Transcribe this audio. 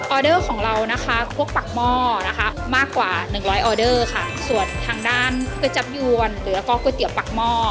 เดอร์ของเรานะคะพวกปากหม้อนะคะมากกว่าหนึ่งร้อยออเดอร์ค่ะส่วนทางด้านก๋วยจับยวนหรือแล้วก็ก๋วยเตี๋ยวปากหม้อ